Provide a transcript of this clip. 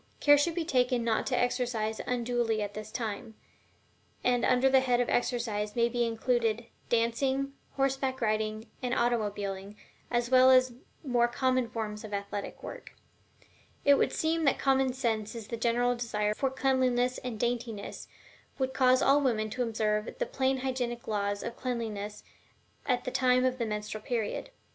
Care should be taken not to exercise unduly at this time, and under the head of exercise may be included dancing, horseback riding, and automobiling, as well as the more common forms of athletic work. It would seem that common sense and the general desire for cleanliness and daintiness would cause all women to observe the plain hygienic laws of Cleanliness at the time of the menstrual period.